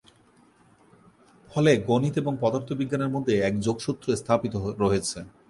ফলে গণিত এবং পদার্থ বিজ্ঞানের মধ্যে এক যোগসূত্র স্থাপিত হয়েছে।